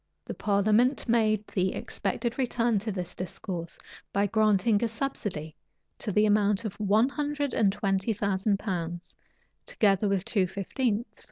The parliament made the expected return to this discourse, by granting a subsidy to the amount of one hundred and twenty thousand pounds, together with two fifteenths.